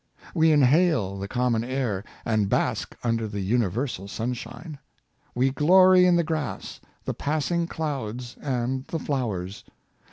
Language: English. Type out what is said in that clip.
We inhale the common air, and bask under the universal sunshine. We glory in the grass, the passing clouds, and the flowers.